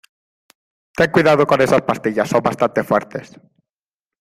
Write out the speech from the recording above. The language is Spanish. ten cuidado con esas pastillas, son bastante fuertes.